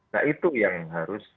nah itu yang harus